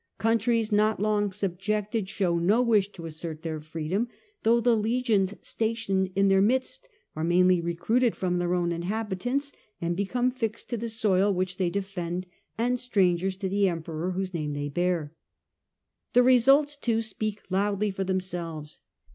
Countries not long subjugated show no wish to assert their freedom, though the legions stationed in their midst are mainly recruited from their own inhabit ants, and become fixed to the soil which they defend and strangers to the Emperor whose name they bear. The results, too, speak loudly for themselves.